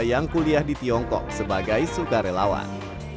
yang kuliah di tiongkok sebagai sukarelawan